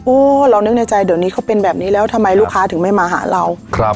เรานึกในใจเดี๋ยวนี้เขาเป็นแบบนี้แล้วทำไมลูกค้าถึงไม่มาหาเรา